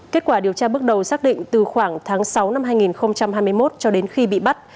kết quả điều tra bước đầu xác định từ khoảng tháng sáu năm hai nghìn hai mươi một cho đến khi bị bắt